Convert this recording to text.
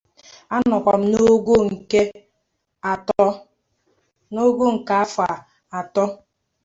Igbo sị na e nwere ọtụtụ ụzọ nwaanyị si ejide di ya